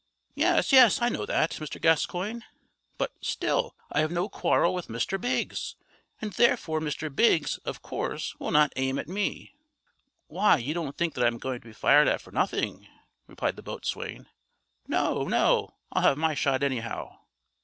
"Yes, yes, I know that, Mr. Gascoigne; but, still, I've no quarrel with Mr. Biggs, and therefore Mr. Biggs, of course, will not aim at me." "Why, you don't think that I'm going to be fired at for nothing?" replied the boatswain. "No, no, I'll have my shot anyhow."